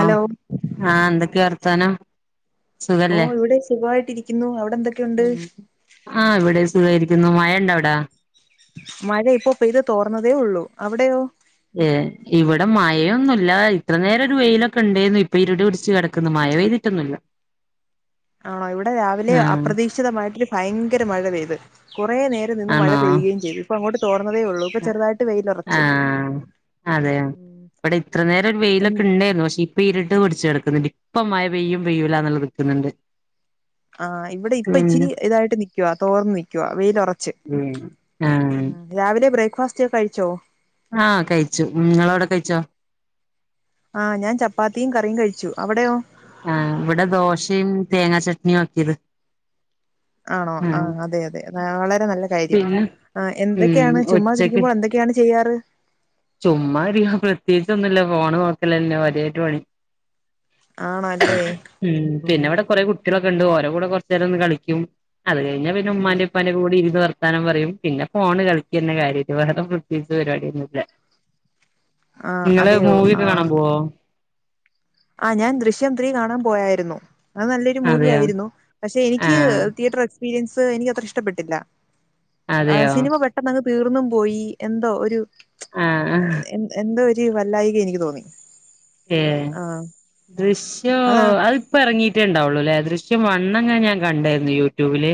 അ ആ എന്തൊക്കെയ വർ തനം ഓ ഇവിടെ സുഖമായിട്ട് ഇരിക്കുന്നു അവി ഉം ആ ഇവിടെ സുഖരിക്ക ന്ന് മഴ ഉണ്ട അവിട മഴ ഇപ്പൊ പെയ്ത് തോർന്നതേ ഉള്ളു അവിടെയോ ഏ ഇവിടെ മഴൊന്നുമില്ല ഇത്ര നേരം വെയിലൊക്കെ ഉണ്ടായിരുന്നു ഇപ്പൊ ഇരുട് പിടിച്ചു കിടക്കുന്നു മഴ പെയ്തിട്ടൊന്നുമില്ല ആണോ ഇവിടെ രാവിലെ അപ്രതീക്ഷിതമായിട്ടരു ഭയങ്കര മഴ പെയ്ത് കുറേ നേരം നിന്ന് മഴ പെയ്യുകയും ചെയ്തു ഇപ്പൊ അങ്ങോട്ട് തോർന്നതേ ഉള്ളൂ ഇപ്പൊ ചെറുതായിട്ട് വെയിലുറച്ചു ആഹ അതെയ ഉം ഇവിടെ ഇത്ര നേരം ഒരു എൻ- വെയിലൊക്കെ ഉണ്ടായിരുന്നു പക്ഷെ ഇപ്പ ഇരുട് ട്ട് പിടിച്ചെടക്കുന്നുണ്ട് ഇപ്പം മഴ പെയ്യും പെയ്യല്ലാന്ന നിൽക്കുന്നുണ്ട് ആ ഇവിടെ ഇപ്പ ഇച്ചിരി ഇതായിട്ട് നിക്കവാ തോർന്ന് നിക്കവാ വെയിലൊറച്ച് ആഹ് ഉം രാവിലെ ബ്രേക്ക് ബ്രേക്ക്ഫാസ്റ്റ് ഒക്കെ കഴിച്ചോ ആ കഴിച്ചു നിങ്ങളവിടെ കഴിച്ചോ ആ ഞാൻ ചപ്പാത്തിയും കറിയും കഴിച്ചു അവിടെയോ ആ ഇവിടെ ദോശയും തേങ്ങാ ചട്നി ആക്കിയത് ആണോ ആ ആഹ് അതെ അതെ വളരെ നല്ല കാര്യം പിന്നെ ആ ഉം എന്തൊക്കെയാണ് ഉച്ചക്ക് ചുമ്മാതിരിക്കുമ്പോൾ എന്തൊക്കെയാണ് ചെയ്യു ചെയ്യാറ് ചുമ്മാ ഇരിക്ക് പ്രത്യേകിച്ച് ഒന്നുമില്ല ഫോണ് നോക്കല്ന്നെ കാര്യായിട്ട് പണി ആണോ അല്ലേ ഉം പിന്നെ ഇവിടെ കൊറെ കുട്ടികളൊക്കെ ണ്ട് ഓരോ കൂടെ കുറച്ച നേരം ഒന്ന് കളിക്കും അത് കഴിഞ്ഞ പിന്നെ ഉമ്മന്റെ ഉപ്പന്റെ കൂടെ ഇരുന്ന് വർത്താനം പറ- വർത്താനം പറയും പിന്നെ ഫോണ് കളിക്കന്ന കാര്യം വേറെ പ്രേത്യേകിച്ചു പരിപാടിയൊന്നുല്ല ആഹ് നിങ്ങള് അതെയോ മൂവി ഒക്കെ കാണാൻ പോവൊ ആ ഞാൻ ദൃശ്യം ത്രീ കാണാൻ പോയായിരുന്നു അത് നല്ലൊരു മൂവി അതെയോ ആയിരുന്നു പക്ഷെ എനിക്ക് ആഹ് തിയേറ്റർ എക്സ്പീരിയൻസ് എനിക്ക് അത്ര ഇഷ്ടപ്പെട്ടില്ല ആ അതെയോ സിനിമ പെട്ടെന്ന് തീർന്നും പോയി എന്തോ ഒരു ആഹ് എ എന്തോ പറ്റി വല്ലായിക എനിക്ക് തോന്നി ഏ ആഹ് ദൃശ്യം അതാ അതിപ്പം ഇറങ്ങിട്ടേണ്ടാവ ദൃശ്യം വണ്ണെങ്ങനെ ഞാൻ കണ്ടായിരുന്നു യൂട്യൂബില്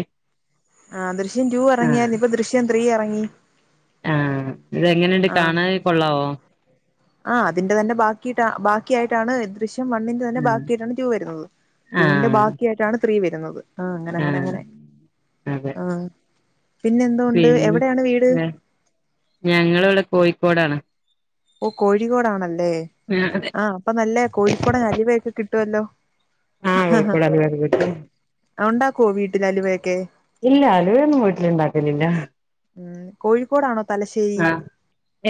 ആഹ ദൃശ്യം ടു ഇറങ്ങിയാരുന്നു ഇപ്പൊ ദൃശ്യം ത്രീ ഇറങ്ങി ആഹ ഇതെങ്ങനെയ്ണ്ട് കാണാൻ കൊള്ളാവോ ആഹ അതിന്റെ തന്നെ ബാക്കിട്ട ബാക്കിയായിട്ടാണ് ദൃശ്യ വണ്ണിന്റെ തന്നെ ആഹ് ബാക്കിയായിട്ടാണ് ടൂ വരുന്നത് ടൂവിന്റെ ആഹ് ബാക്കി ആയിട്ടാണ് ത്രീ വരുന്നത് ആഹ അങ്ങന അങ്ങനെ ആഹ് അങ്ങനെ അതെ ആഹ പിന്നെ ഞങ്ങള് ഇവിടെ കോഴിക്കോടാണ് ഓ കോഴിക്കോടാണല്ലേ അതെ ആ് അപ്പൊ നല്ല കോഴിക്കോടൻ അലുവയൊക്കെ കി കിട്ടുല്ലോ ആഹ കോഴിക്കോട് അലുവ ഒക്കെ കിട്ടും ആ, ഉണ്ടാക്കുവോ വീട്ടിൽ അലുവയൊക്കെ ഇല്ല അലുവയൊന്നും വീട്ടില് ഉണ്ടാക്കലില്ല ഉം കോഴിക്കോടാണോ തലശ്ശേരി ആഹ്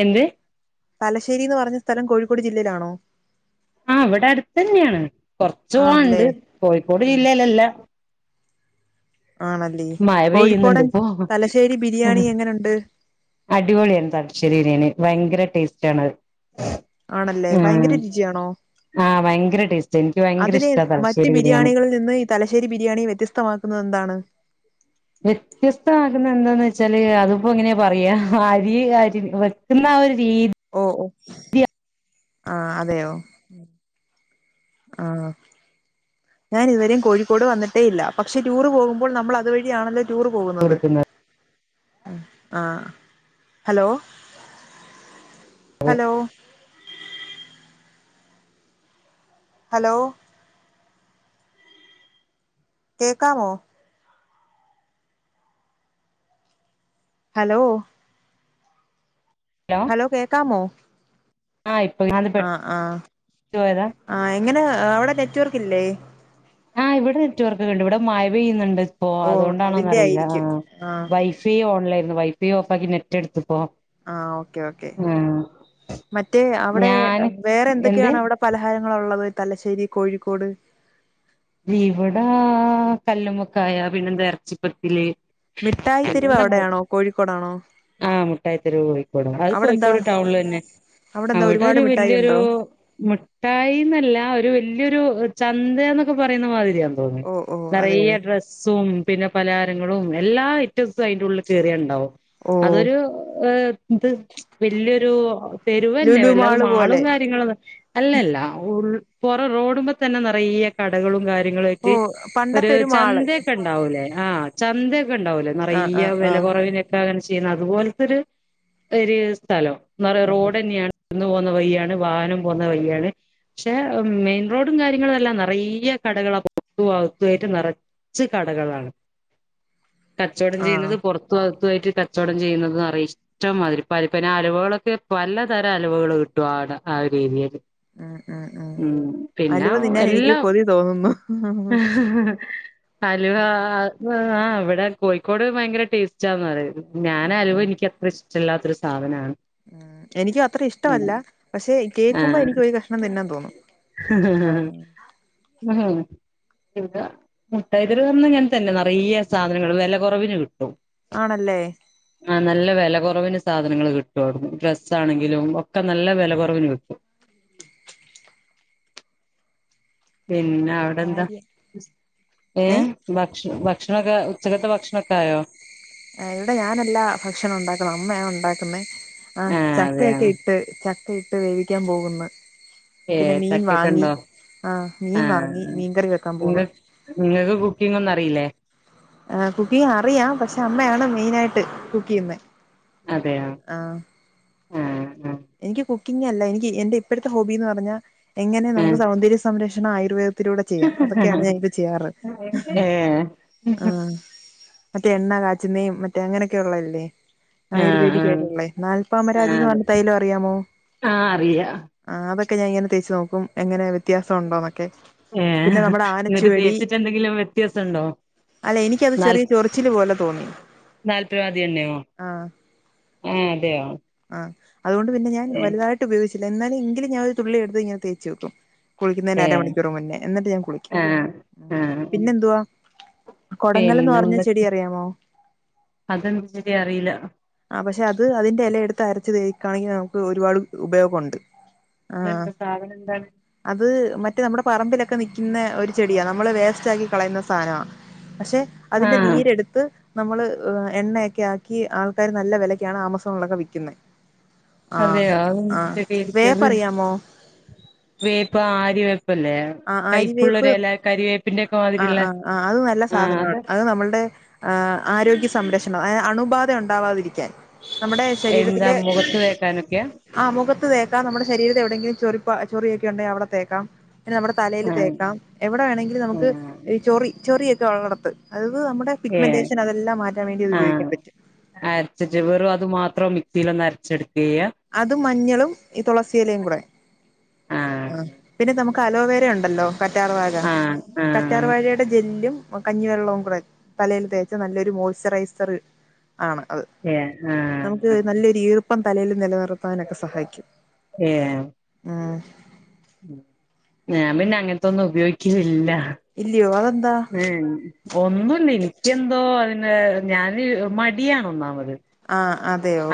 എന്ത് തലശ്ശേരിന്ന് പറഞ്ഞ- സ്ഥലം കോഴിക്കോട് ജില്ലയിലാണോ ആ ഇവിടെ അടുത്ത് തന്നെയാണ് കൊറച്ചു പോവാനുണ്ട് ആണല്ലേ കോഴിക്കോട് ഉം ജില്ലയിലല്ലാ ആണല്ലേ മഴ പെയ്യുന്നുണ്ട് കോഴിക്കോടൻ ഇപ്പൊ തലശ്ശേരി ബിരിയാണി എങ്ങനുണ്ട് അടിപൊളിയാണ് തലശ്ശേരി ബിരിയാണി. ഭയങ്കര ടേസ്റ്റാണത്. ആണല്ലേ ഭയങ്കര രുചിയാണോ? ആഹ് ഭയങ്കര ടേസ്റ്റ് എനിക്ക് ഭയങ്കര അതിനെ ഇഷ്ടാ മറ്റു തലശ്ശേരി ബിരിയാണി ബിരിയാണികളിൽ നിന്ന് ഈ തലശ്ശേരി ബിരിയാണി വ്യത്യസ്തമാക്കുന്നത് എന്താണ്? വ്യത്യസ്തമാകുന്ന എന്താന്ന് വെച്ച് വച്ചാല് അതിപ്പോ എങ്ങനെയാ പറയാ അരി അരി വെക്കുന്ന ഒരു രീതി ഓ ആ അതെയോ ആ ഞാൻ ഇതുവരെയും കോഴിക്കോട് വന്നിട്ടേ ഇല്ല പക്ഷെ ടൂറ് പോകുമ്പോൾ നമ്മൾ അതുവഴിയാണല്ലോ ടൂറ് പോകുന്നത് കൊടുക്കുന്നത് ആ ഹലോ ഹലോ ഹലോ കേക്കാമോ ഹലോ ഹലോ കേക്കമോ ആ ഇപ്പൊ അത് ആ പെട്ടന്ന് ആ പോയതാ ആ എങ്ങനെ അവിടെ നെറ്റ് വർക്ക് ഇല്ലേ? ആ ഇവിടെ നെറ്റ് വർക്ക് ഒക്കെ ഉണ്ട് ഇവിടെ മായപെയ്യുന്നുണ്ട്. അപ്പോ ഓ അതൊണ്ടാണോന്ന് അതിന്റെ അറിയില്ല ആയിരിക്കും ആഹ് വൈഫൈ ഓൺലൈ വൈഫൈ ഓഫാക്കി നെറ്റ് എടു ആ ഓക്കെ ഓക്കെ മറ്റേ അവിടെ ഞാന് വേറെ എന്ത് എന്തൊക്കെയാണ് അവിടെ പലഹാരങ്ങള ഉള്ളത് തലശ്ശേരി കോഴിക്കോട് ഇവിടെ കല്ലുമൊക്കായ പിന്നെന്ത ഇറച്ചിപ്പത്തില് മിഠായി തെരുവ് പിന്നെന്താ അവിടെയാണോ കോഴിക്കോടാണോ ആ മുട്ടായിത്തെരുവ് കോഴിക്കോട് അത് അവിടെന്താ കോഴിക്കോട് ടൗണില് തന്നെ അവിടെന്താ അവിടെ ഒരുപാട് ഒരു മിഠായി വല്യൊരു ഉണ്ടോ മുഠായിന്നല്ല ഒരു വല്യൊരു ഒരു ചന്തയാണ് പറയുന്ന മാതിരിയാണ് ഓ ഓ അതെയോ നിറയെ ഡ്രസ്സും പിന്നെ പലഹാരങ്ങളും എല്ലാ ഐറ്റംസും അതിന്റെറെ ഉള്ളിൽ കേറിയാലുണ്ടാവും. ഓ അതൊരു ഏ ഇത് വല്യൊരു തെരുവു തന്നെ ലുലു അല്ലാതെ മാള് മാളും പോലെ കാര്യങ്ങളും അല്ലല്ല ഉ പൊറ റോഡുമ്പോ തന്നെ നിറയെ കടകളും കാര്യ ഓ [unintelligible] ഒരു പണ്ടത്തെ മാള് ചന്തയൊക്കെ ഉണ്ടാവുല്ലെ ആ ചന്ത ഉണ്ടാവില്ലെ ആഹ് നിറയെ ആഹ് വില ആഹ് കുറവിനൊക്കെ ചെയ്യുന്ന അതുപോലത്തെ ഒരു ഒരു സ്ഥലം നറേ ആഹ് റോഡ് തന്നെയാണ് ന്ന് പോകുന്ന വയ്യാണ് വാഹനം പോകുന്ന വയ്യാണ് പക്ഷെ മെയിൻ റോഡും കാര്യങ്ങളും എല്ലാം റയെ കടകൾ പോരത്തും അഗത്തു ആയിട്ട് നിറച്ച് കടകളാണ് കച്ചവടം ആഹ് ചെയ്യുന്നത് പുറത്തു അ ത്തുആയിട്ട് കച്ചവടം ചെയ്യുന്നുന്നത് നറേ ഇഷ്ടംമാതിരി പൽപലാ അലുവകളൊക്കെ പലതരം അലുവകൾ കിട്ടും ആടെ ആ ഒരു ഏരിയേന്ന് ഉം ഉം ഉം അലുവ തിന്നൻ എനിക്ക് എല്ലാം കൊതി തോന്നുന്നു ഉം അലുവ ആ ആ അവിടെ കോഴിക്കോട് ഭയങ്കര ടേസ്റ്റാന്ന് പറയും ഞാന് അലുവ എനിക്കത്ര ഇഷ്ട റ്റല്ലാത്തൊരു സാധനമാണ് എനിക്കും അത്ര ഇഷ്ടമല്ല പക്ഷെ കേൾക്കുമ്പോ എനിക്ക് ഒരു കഷ്ണം തിന്നാൻ തോന്നും ആ ആ ഇവ്ടെ മുട്ടായ്തെരുവിൽ വന്ന ഇങ്ങനെ തന്നെ നിറയ സാധനങ്ങൾ വെലകൊറവില് കിട്ടും ആണല്ലേ ആഹ നല്ല വില കുറവിന് സാധനങ്ങൾ കിട്ടും ഡ്രസ് ആണെങ്കിലും ഒക്കെ നല്ല വിലകുറവിന് കിട്ടും പിന്നെ അവിടെ എന്താ കാര്യം ഏ ഭക്ഷ ഭക്ഷണൊക്കെ ഉച്ചകത്തെ ഭക്ഷണൊക്കെ ആയോ ആ ഇവിടെ ഞാനല്ലാ ഭക്ഷണം ഉണ്ടാക്കുന്നേ അമ്മയാ ഉണ്ടാക്കുന്നേ ആഹ് ആ ചക്ക അതെയോ ഒക്കെ ഇട്ട് ചക്ക ഇട്ട് വേവിക്കാൻ പോകുന്നു ഏ പിന്നെ മീൻ വാങ്ങി ചക്കക്കെണ്ടോ ആ മീൻ വാങ്ങി ആഹ് മീൻകറി വെക്കാൻ നിങ്ങ പോന്ന് നിങ്ങൾക്ക് കുക്കിംഗ്‌ ഒന്നും അറിയില്ലേ ആ കുക്കിങ്ങ് അറിയാം പക്ഷെ അമ്മയാണ് മെയിൻ ആയിട്ട് കുക്ക് ചെയ്യുന്നെ അതെയാ ആഹ് എനിക്ക് കു ക്കിങ്ങല്ല എനിക്ക് എന്റെ ഇപ്പോഴത്തെ ഹോബി എന്ന് പറഞ്ഞാൽ എങ്ങനെ നമുക്ക് സൗന്ദര്യ സംരക്ഷണം ആയുർവേദ ത്തിലൂടെ ചെയ്യാം അതൊക്കെയാണ് ഞാൻ ഇപ്പോ ചെയ്യാറ് ഏ ആ മറ്റേ എണ്ണ കാച്ചുന്നെയും മറ്റേ അങ്ങനെയൊക്കെ ഉള്ളതില്ലേ ആ ആ ആയുർവേദിക് ആയിട്ടുള്ളേ നാല്പാമരാതിന്ന പറഞ്ഞ തൈല ആഹ് അറിയാ അതൊക്കെഞാങ്ങനെ തേച്ച് നോക്കും എങ്ങനെ വ്യത്യാസംണ്ടോന്നൊക്കെ ഏ ന്നിട്ട് തേച്ചിട്ട് എന്തെങ്കിലും വ്യത്യാസുണ്ടോ അല്ല എനിക്കത് നാൽ ചെറിയ ചൊറിച്ചില് പോലെ തോന്നി നാൽപരാതി എണ്ണയോ ആ അതെയോ ആ അതൊണ്ട് പിന്നെഞൻ ഏഹ് വലതായിട്ട് ഉപയോഗിച്ച് എന്നാലും എങ്കിലും ഞാൻ ഒരു തുള്ളി എടുത്ത് ഇങ്ങനെ തേച്ച് വെക്കും കുളിക്കുന്നതിന് ഏഹ് അരമണിക്കൂർ മുന്നേ എന്നിട്ട് ഞാൻ കുളിക്കും ആഹ് ആഹ് പിന്നെ എന്തുവാ കൊടങ്ങലന്ന് പറഞ്ഞ ചെടി പിന്നെന്തൊക്കെ അറിയാമോ അതെന്ത് ശരി അറിയില്ല ആ പക്ഷെ അത് അതിന്റെ എല എടുത്ത അരച്ച് തേക്കയാണെങ്കി നമുക്ക് ഒരുപാട് ഉപയോഗൊണ്ട് ആ അതെന്താ സാധനം എന്താണ് അത് മറ്റേ നമ്മുടെ പറമ്പിലൊക്കെ ക്കെ നിക്കുന്ന ഒരു ചെടിയാ നമ്മള് വേസ്റ്റ് ആക്കി കളയുന്ന സാനവാ പക്ഷെ അതിന്റെ ആഹ് നീരെടുത്ത് നമ്മള് എണ്ണയൊക്കെ ആക്കി ആ ക്കയർ നല്ല വിലയ്ക്കാണ് ആമസോണിലൊക്കെ വിക്കുന്നെ അതെയോ [unintelligible] ശരിരിക്കത് വേപ്പറിയാമോ വേപ്പ് ആരി വേ ആ അരിവേപ്പ് കരിവേപ്പിന്റെ ഒക്കെ ആ മാതിരിള്ള ആ ആ അത് നല്ല സാധനമാണ് അത് നമ്മളുടെ ആ ആരോഗ്യ തംരക്ഷണം അത് അണുബാധ ഉണ്ടാവാതിരിക്കാൻ നമ്മുടെ എന്താ ശരീരത്തിലെ മുഖത്ത് തേക്കാനൊക്കെയാ ആ മുഖത്ത് തേക്കാം നമ്മുടെ ശരീരത്തെ എവിടെയെങ്കിലും ചൊറി പ്പ ചൊറിയൊക്കെ ഉണ്ടേ അവിടത്തേക്കാം പിന്ന നമ്മുടെ തലയിൽ ആഹ് തേക്കാം എവിടെ വേണെങ്കില് നമുക്ക് ആഹ് ഈ ചൊറി ചൊറിയൊ തൊള്ളടത്ത് അത് ത് നമ്മുടെ ഏഹ് പിഗ്മെന്റേഷൻ അതെല്ലാം മാറ്റാൻ വേണ്ടിത് ഉപയോഗിക്കാൻ ആഹ് പറ്റും ത്രേം മിക്സിയിലൊന്ന് അരച്ചെടു അത് മഞ്ഞളും ഈ തുളസിയിലയും കൂടെ ആഹ് പിന്നെ നമു ക്കലോവേര ഉണ്ടല്ലോ കറ്റാർവാഴ ആഹ് കറ്റാർ ആഹ് വഴയുടെ ജെല്ലും കഞ്ഞിവെള്ളവും കൂടെ തലൽ തേച്ച നല്ലൊരു മോയ്സ്ചറൈസർ ആണ് അത് ഏഹ് നമുക്ക് ആഹ് നല്ലൊരു ഈർ ഇപ്പം തലേല് നിലനിർത്താനൊക്കെ സഹായിക്കും ഏ ആ ഞാൻ പിന്നെ അങ്ങനത്തൊന്നും ഉപയോഗിക്കില്ലില്ല ഇല്ലയോ അത ഉം ഒന്നുംല്ല നിക്കെന്തോ പിന്ന ഞാന് മടിയാണ് ഒന്നാമത് ആ അതെയോ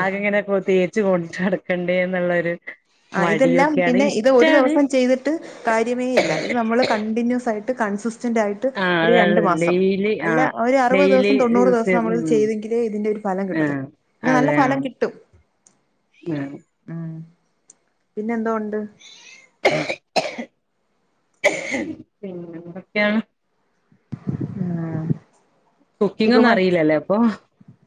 ജ്ജ് കൊണ്ട് നടക്കണ്ടേ എന്നുള്ളൊരു ആ ഇതെല്ലാം മടിയൊക്കെയാണ് പിന്നെ ഇത് ഒരു ഇഷ്ടാണ് ദിവസം ചെയ്തിട്ട് കാര്യമേ ഇല്ല. ഇത് നമ്മള് കണ്ടിന്യൂസ് ആയിട്ട് ട്ട് കൺസ്സ് സെന്റായിട്ട് ആഹ് ഒരു രണ്ട് അതാള്ളത് മാസം, ഡെയിലി അല്ല ആഹ് ഒരു അറുപത് ഡെയിലി ദിവസം തൊണ്ണൂറ് യൂസ് ദിവസം ചെയ്ത് നമ്മളിത് ഉം ചെയ്തെങ്കിലേ ഇതിന്റെ ഒരു ഫലം കിട്ടത്തൊള്ളു. ആഹ് പിന്നെ നല്ല അതെ ഫലം ആഹ് കിട്ടും. ആഹ് ഉം പിന്നെന്തോ ഉണ്ട്? പിന്നെന്തൊക്കെയാ? ആ കുക്കിങ്ങൊന്നും അറീലലെ അപ്പൊ?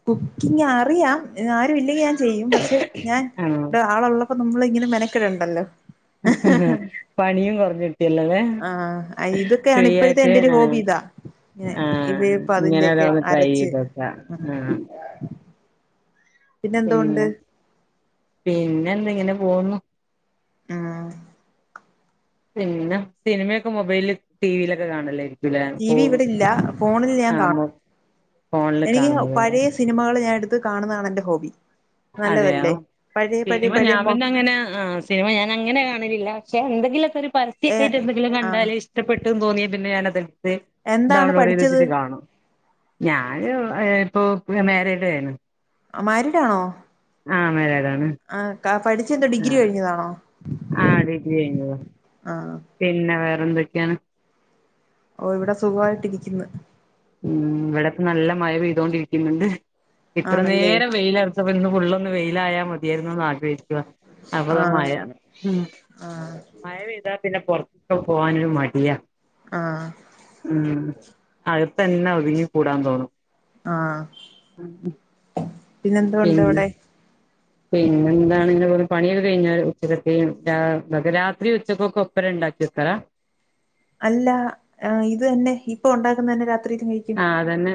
കുക്കിങ്ങറിയാം. ങേ ആരു ഇല്ലെങ്കി ഞാൻ ചെ ചെയ്യും. പക്ഷെ ഞാൻ ആഹ് ഇവിടെ ആളുള്ളപ് അപ്പൊ നമ്മളിങ്ങനെ മെനക്കടണ്ടല്ലോ? പണിയും കൊറഞ്ഞ് കിട്ടെല്ലോലെ? ആഹ്. ഇതൊക്കെയാണ് ഇപ്പഴത്തെ എന്റെ ഒരു ആ ഹോബി ഇതാ. ഇങ്ങനെ ആ ഇത് ഇപ്പ ഇങ്ങനെ അതിന്റെയൊക്കെ ഓരോന്ന് ട്രൈ അരച്ച്. ചെയ്തോക്കാ ആ പിന്നെന്തോ ഉണ്ട്? പിന്നെ പിന്നെ എന്ത് ഇങ്ങനെ പോവുന്നു. ആ പിന്നെ സിനിമയൊക്കെ മൊബൈൽ ടിവിലൊക്കെ കാണലായിരി ടി വി ഇവിടെ ഇല്ല. ഫോണിൽ ഞാൻ കാണും. മൊ ഫോണില് എനിക്ക് കാണുന്നതല്ലേ പഴയ സിനിമകൾ ഞാൻ എട് ത്ത് കാണുന്നതാണ് എന്റെ ഹോബി. അതെയോ? നല്ലതല്ലേ പഴയ പഴയ സിനിമ പഴയ ഞാൻ മോ പിന്നെ അങ്ങനെ, ആ സിനിമ ഞാൻ അങ്ങനെ കാണലില്ല. പക്ഷെ എന്തെങ്കിലു ഒക്കെ ഒരു ഏ പരസ്യൊക്കെ ആയിട്ട് എന്തെങ്കിലും ആഹ് കണ്ടാല് ഇഷ്ടപ്പെട്ട് ട്ട് തോന്നിയ പിന്നെ ഞാനത് [unintelligible] എന്താണ് ഡൗൺലോഡ് ചെയ്ത് പഠിച്ചത് വെച്ചിട്ട് കാണും. ഞാന് ഹ് ഇപ്പോ ഇപ്പ മേരേഡേനു. അ മാരീ ആ മാരേഡാണ്. പഠിച്ചെ എന്താ? ഡിഗ്രി കഴിഞ്ഞതാണോ? ആ ഡിഗ്രി കഴിഞ്ഞതാ. ആഹ് പിന്നെ വേ എന്തൊക്കെയാണ്? ഓ ഇവടെ സുഖവായിട്ടിരിക്ക്ന്ന്‌. ഉം ഇവിടെപ്പം നല്ല മഴ പെയ്തോണ്ടിരിക്ക്ന്ന്ണ്ട്. ഇത്ര ആണല്ലേ നേരം വെയിലറ്ച്ചപ്പോ ഇന്ന് ഫുള്ളും ഇന്ന് വെയിലായാ മതിയായിരുന്നൂന്ന് ആഗ്രഹി താ അപ്പ ദാ ആഹ് മഴയാണ്. ഉം ആഹ് മഴ പെയ്താ പിന്നെ പൊറത്ത് പോവാനൊരു മടിയാ ആഹ് ഉം അയ് തന്നെ ഒതുങ്ങി കൂടാൻ തോന്നും ആഹ പിന്നെന്തണ്ട് അവിടെ പിന്നെ എന്താണ് ഇങ്ങെ പോലെ പണിയൊക്കെ കഴിഞ്ഞാല് ഉച്ചക്കക്ക രാത്രി ഉച്ചക്കൊക്കെ ഒപ്പരം ഉണ്ടാക്കി വെക്കരാ അല്ല ഇത് തന്നെ ഇപ്പൊ ഉണ്ടാക്കുന്ന തന്നെ രാത് ആഹ അതന്നെ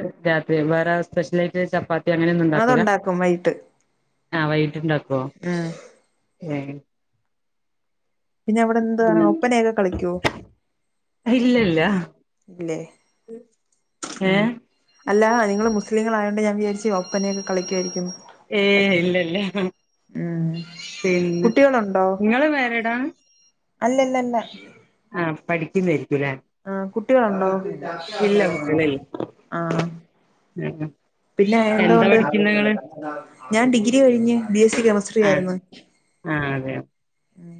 ത് ബറ സ്ഷില ചപ്പാത്തി അങ്ങനെയ ഒന്ന ഉണ്ടാക്കൂല അതുണ്ടാക്കും വൈകിട്ട് ആ വൈകിട്ട ഇണ്ടാക്കുവോ ഉം പിന്നെ അവിടെ എന്ത ഒപ്പനയൊക്കെ കളിക്കോ ഇല്ല ഇല്ല ഇല്ലെ ഹഹ അല്ല നിങ്ങള്ൾ മുസ്ലീങ്ങളൾ ഞാ വിചാരിച്ച് ഒപ്പെന യക്കെ കളിക്കുവാ യിരിക്കും ഏ ഇല്ല ഇല്ല ഉം പിന്നെ കുട്ടികളുണ്ടോ നിങ്ങള് വേറെടാണ് അല്ലല്ലല്ല ആ പഠിക്കുന്നും ആ കുട്ടികളുണ്ടോ ഇല്ല കുട്ടികളില്ല ആഹ ആ പിന്നെ എന്താ എന്തൊണ്ട് പഠിക്കുന്നെ നിങ്ങള് ഞാൻ ഡിഗ്രി കഴിഞ്ഞ് ബി എസ് സി കെമിസ്ട്രി ആ ആയിരുന്നു ആ അതെയോ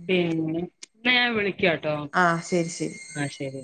പിന്നെ നഞ വള ആ ശരി ശരി ആഹ ശരി